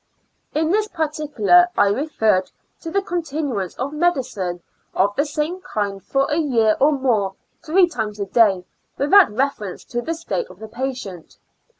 In this particular I referred to the con tinuance of medicine of the same kind for a year or more, three times a day, without reference to the state of the patient.